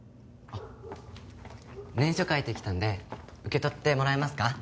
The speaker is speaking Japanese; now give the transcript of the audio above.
あっ念書書いてきたんで受け取ってもらえますか？